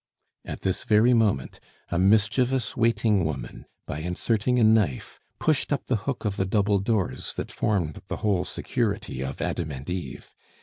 At this very moment, a mischievous waiting woman, by inserting a knife, pushed up the hook of the double doors that formed the whole security of Adam and Eve.